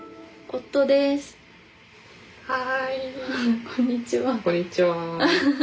こんにちは。